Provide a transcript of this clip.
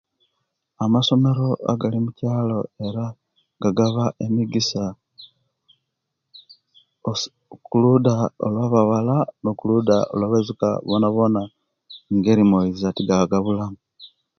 Amasomero agali mukyalo era gagaba emigisa os kuluda olwa'bawala nokulida lwa'baisuka bonabona ngeri moiza tigagabulamu.